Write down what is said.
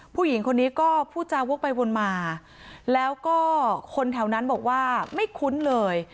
ผู้หญิงคนนี้ก็พูดจาวกไปวนมาแล้วก็คนแถวนั้นบอกว่าไม่คุ้นเลย